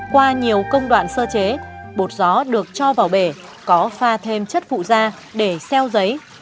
qua nhiều công đoạn sơ chế bột gió được cho vào bể có pha thêm chất phụ da để xeo giấy